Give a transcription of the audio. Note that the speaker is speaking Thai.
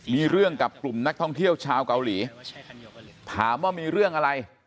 มีเรื่องกับกลุ่มนักท่องเที่ยวชาวเกาหลีถามว่ามีเรื่องอะไร